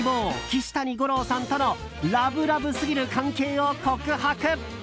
岸谷五朗さんとのラブラブすぎる関係を告白。